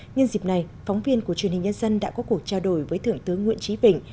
nhân dịp này phóng viên của truyền hình nhân dân đã có cuộc trao đổi với thượng tướng nguyễn trí vĩnh